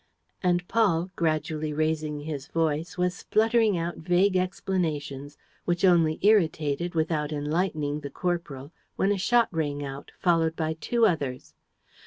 And Paul, gradually raising his voice, was spluttering out vague explanations, which only irritated without enlightening the corporal, when a shot rang out, followed by two others.